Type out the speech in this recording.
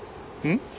ん？